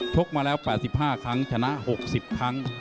กมาแล้ว๘๕ครั้งชนะ๖๐ครั้ง